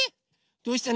どうしたの？